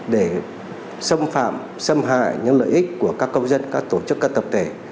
để xâm phạm xâm hại những lợi ích của các công dân các tổ chức các tập thể